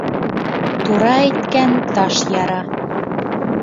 Тура әйткән таш яра.